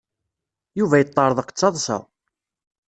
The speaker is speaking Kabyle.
Yuba yeṭṭerḍeq d taḍsa.